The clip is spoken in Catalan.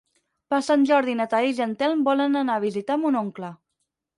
Per Sant Jordi na Thaís i en Telm volen anar a visitar mon oncle.